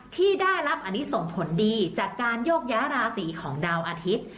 ที่ได้รับอันนี้ส่งผลดีจากการโยกย้าราศีของดาวอาทิตย์